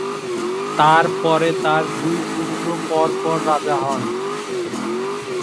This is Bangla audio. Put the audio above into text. তাঁর পরে তাঁর দুই পুত্র পর পর রাজা হন।